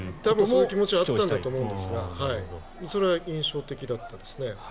そういう気持ちはあったと思うんですがそれは印象的でしたね。